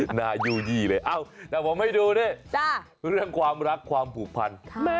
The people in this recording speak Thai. หน้ายู่ยี่เลยเอ้าแต่ผมให้ดูนี่เรื่องความรักความผูกพัน